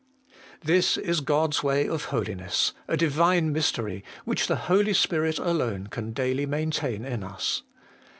3. This is God's way of holiness, a Divine mystery, which the Holy Spirit alone can daily maintain in us.